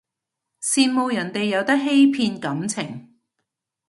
羨慕人哋有得欺騙感情